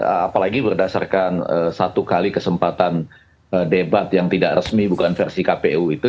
apalagi berdasarkan satu kali kesempatan debat yang tidak resmi bukan versi kpu itu